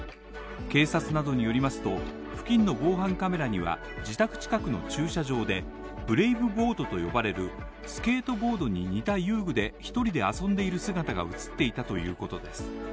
警察などによりますと、付近の防犯カメラには自宅近くの駐車場で、ブレイブボードと呼ばれるスケートボードに似た遊具で一人で遊んでいる姿が映っていたということです。